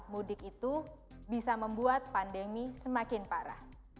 mudik itu bisa membuat pandemi semakin parah